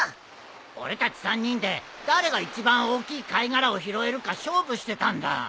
俺たち３人で誰が一番大きい貝殻を拾えるか勝負してたんだ。